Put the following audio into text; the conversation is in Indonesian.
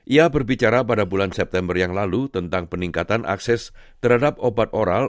ia berbicara pada bulan september yang lalu tentang peningkatan akses terhadap obat oral